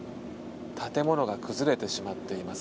建物が崩れてしまっています。